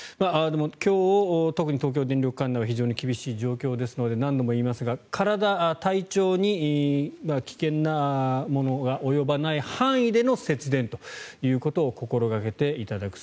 今日、特に東京電力管内は非常に厳しい状況ですので何度も言いますが体、体調に危険なものが及ばない範囲での節電ということを心掛けていただく。